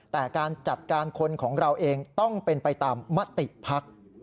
แต่การจัดการคนของเราเองต้องเป็นไปตามมติภักดิ์